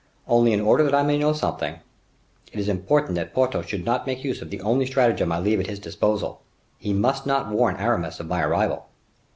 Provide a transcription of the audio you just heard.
Only, in order that I may know something, it is important that Porthos should not make use of the only stratagem I leave at his disposal. He must not warn Aramis of my arrival."